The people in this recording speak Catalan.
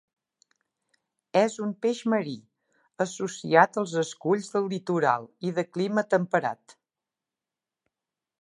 És un peix marí, associat als esculls del litoral i de clima temperat.